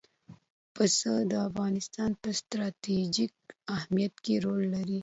پسه د افغانستان په ستراتیژیک اهمیت کې رول لري.